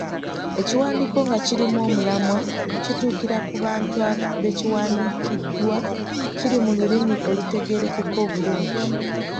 Ekiwandiiko nga kirimu omulamwa, kituukira ku bantu be kiwandiikiddwa, kiri mu lulimi olutegeerekeka obulungi.